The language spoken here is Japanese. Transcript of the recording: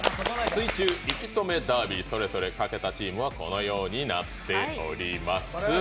水中息止めダービー、それぞれ賭けたチームはこのようになっています。